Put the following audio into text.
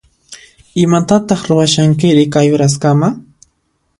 Imatataq ruwashankiri kay uraskama?